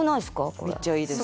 これめっちゃいいです